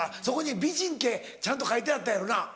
そこに美人ってちゃんと書いてあったやろな？